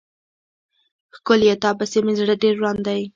ښکليه تا پسې مې زړه ډير وران دی.